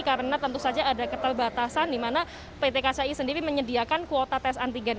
karena tentu saja ada keterbatasan di mana pt kci sendiri menyediakan kuota tes antigen